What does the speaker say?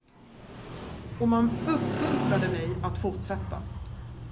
Och man uppmuntrade mig att fortsätta.